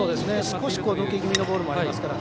少し抜け気味のボールもありますから。